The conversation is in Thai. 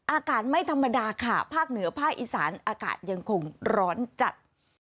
อากาศไม่ธรรมดาค่ะภาคเหนือภาคอีสานอากาศยังคงร้อนจัด